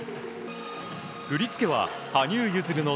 振り付けは羽生結弦の